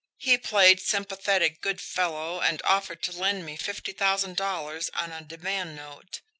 He played sympathetic good fellow, and offered to lend me fifty thousand dollars on a demand note.